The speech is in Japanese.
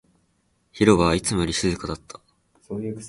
広場はいつもよりも静かだった